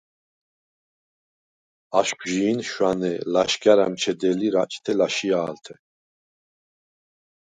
აშხვჟი̄ნ შვანე ლაშგა̈რ ა̈მჩედე̄ლი რაჭთე ლა̈შია̄ლთე.